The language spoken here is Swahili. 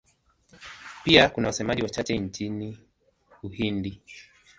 Pia kuna wasemaji wachache nchini Uhindi.